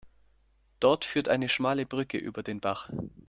Dort führt eine schmale Brücke über den Bach.